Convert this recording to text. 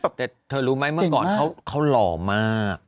แต่เธอรู้ไหมเมื่อก่อนเขาหล่อมาก